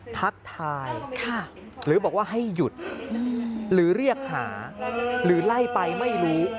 ทักทายหรือบอกว่าให้หยุดหรือเรียกหาหรือไล่ไปไม่รู้